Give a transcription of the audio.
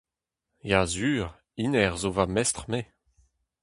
Ya sur, hennezh zo va mestr-me.